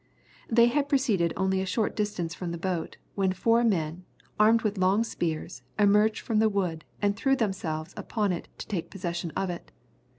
They had proceeded only a short distance from the boat, when four men, armed with long spears, emerged from the wood, and threw themselves upon it to take possession of it.